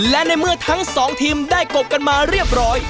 และในเมื่อทั้งสองทีมได้กบกันมาเรียบร้อย